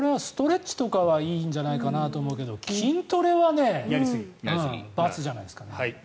これはストレッチとかはいいんじゃないかなと思うけど筋トレは×じゃないかな。